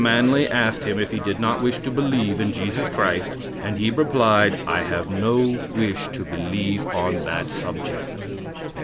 Manly asked him if he did not wish to believe in Jesus Christ. and he replied: "I have no wish to believe on that subject."